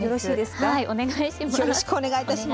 はいお願いします。